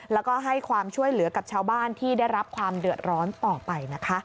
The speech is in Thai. แล้วก็ให้ความช่วยเหลือกับชาวบ้านที่ได้รับความเดือดร้อนต่อไปนะคะ